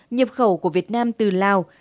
nhập khẩu của việt nam từ lào